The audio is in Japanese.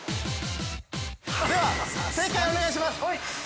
では、正解をお願いします。